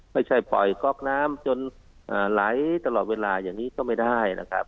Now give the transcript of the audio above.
ไม่ใช่ปล่อยก๊อกน้ำจนไหลตลอดเวลาอย่างนี้ก็ไม่ได้นะครับ